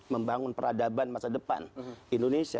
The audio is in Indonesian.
membangun peradaban masa depan indonesia